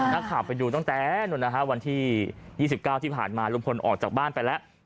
นักข่าวไปดูตั้งแต่วันที่๒๙ที่ผ่านมาลุงพลออกจากบ้านไปแล้ว